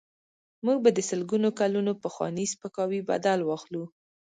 موږ به د سلګونو کلونو پخواني سپکاوي بدل واخلو.